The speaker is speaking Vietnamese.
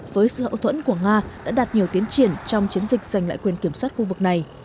với sự hậu thuẫn của nga đã đạt nhiều tiến triển trong chiến dịch giành lại quyền kiểm soát khu vực này